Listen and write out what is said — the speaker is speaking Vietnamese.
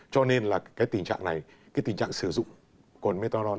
cho nên là cái tình trạng này cái tình trạng sử dụng cồn metharon